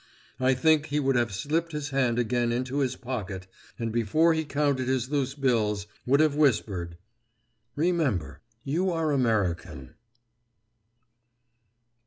I think he would have slipped his hand again into his pocket and before he counted his loose bills would have whispered, "Remember, you are American."